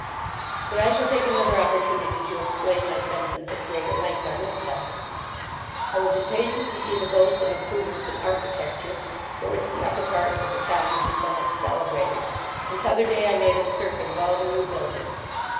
But I shall take another opportunity to explain my sentiments at greater length on this subject I was impatient to see the boasted improvements in architecture, for which the upper parts of the town have been so much celebrated and t'other day I made a circuit of all the new buildings.